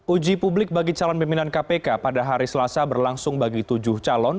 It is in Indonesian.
uji publik bagi calon pimpinan kpk pada hari selasa berlangsung bagi tujuh calon